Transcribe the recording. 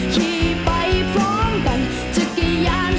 ที่ไปพร้อมกัน